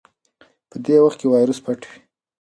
په دې وخت کې وایرس پټ وي.